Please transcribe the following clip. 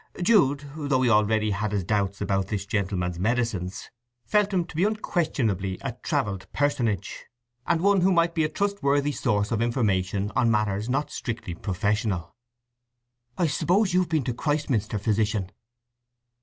Jude, though he already had his doubts about this gentleman's medicines, felt him to be unquestionably a travelled personage, and one who might be a trustworthy source of information on matters not strictly professional. "I s'pose you've been to Christminster, Physician?"